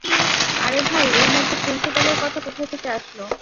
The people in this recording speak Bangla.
আরে ভাই এর মধ্যে প্রিন্সিপালের কথা কোথায় থেকে আসলো?